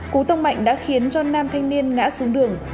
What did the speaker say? cú tông mạnh đã khiến cho nam thanh niên ngã xuống đường